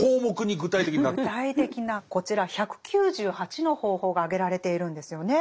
具体的なこちら１９８の方法が挙げられているんですよね。